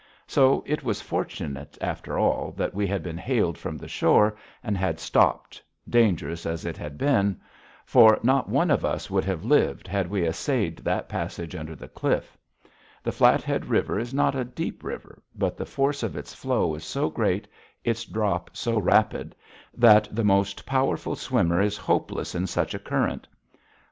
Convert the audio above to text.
So it was fortunate, after all, that we had been hailed from the shore and had stopped, dangerous as it had been. For not one of us would have lived had we essayed that passage under the cliff. The Flathead River is not a deep river; but the force of its flow is so great, its drop so rapid, that the most powerful swimmer is hopeless in such a current.